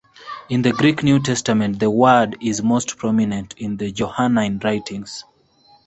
In the Greek New Testament the word is most prominent in the Johannine writings.